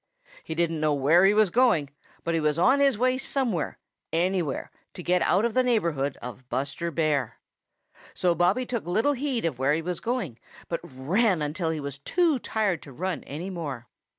He didn't know where he was going, but he was on his way somewhere, anywhere, to get out of the neighborhood of Buster Bear. So Bobby took little heed of where he was going, but ran until he was too tired to run any more.